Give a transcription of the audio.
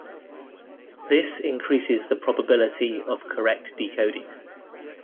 This increases the probability of correct decoding.